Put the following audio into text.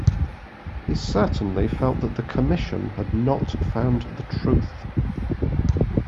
He certainly felt that the Commission had not found the truth.